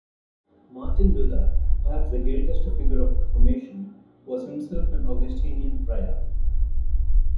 Martin Luther, perhaps the greatest figure of the Reformation, was himself an Augustinian friar.